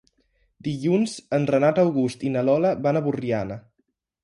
Dilluns en Renat August i na Lola van a Borriana.